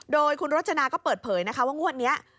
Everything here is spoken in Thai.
โดยคุณรจนาก็เปิดเผยนะคะว่างวดนี้